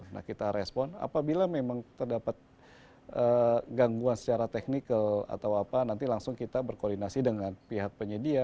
nah kita respon apabila memang terdapat gangguan secara teknikal atau apa nanti langsung kita berkoordinasi dengan pihak penyedia